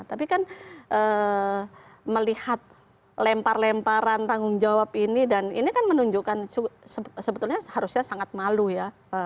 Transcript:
tapi kan melihat lempar lemparan tanggung jawab ini dan ini kan menunjukkan sebetulnya harusnya sangat malu ya